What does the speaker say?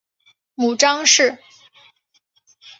母詹氏。